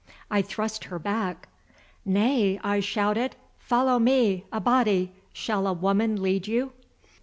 I thrust her back. "Nay," I shouted. "Follow me, Abati! Shall a woman lead you?"